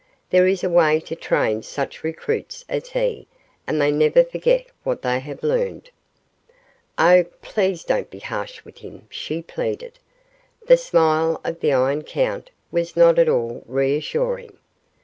There is a way to train such recruits as he, and they never forget what they have learned." "Oh, please don't be harsh with him," she pleaded. The smile of the Iron Count was not at all reassuring.